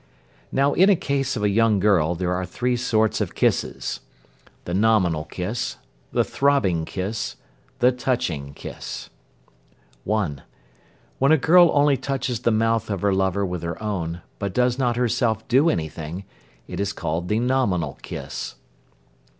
Now in a case of a young girl there are three sort of kisses, viz.: The nominal kiss. The throbbing kiss. The touching kiss. (1). When a girl only touches the mouth of her lover with her own, but does not herself do anything, it is called the "nominal kiss."